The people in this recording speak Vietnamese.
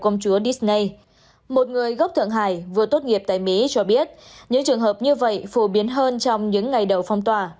những trường hợp như vậy phổ biến hơn trong những ngày đầu phong tỏa